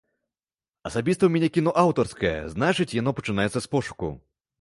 Асабіста ў мяне кіно аўтарскае, значыць, яно пачынаецца з пошуку.